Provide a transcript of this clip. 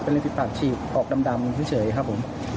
เป็นริมพิปากฉี่ออกดำเท่าเฉยครับผม